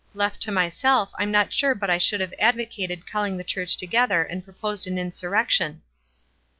Left to my self I'm not sure but I should have advocated calling the church together and proposed an in surrection."